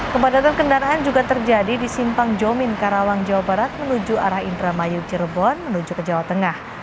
kepadatan kendaraan juga terjadi di simpang jomin karawang jawa barat menuju arah indramayu cirebon menuju ke jawa tengah